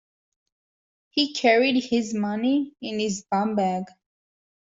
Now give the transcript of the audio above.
He carried his money in his bumbag